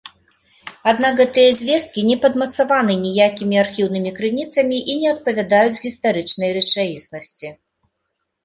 Аднак гэтыя звесткі не падмацаваны ніякімі архіўнымі крыніцамі і не адпавядаюць гістарычнай рэчаіснасці.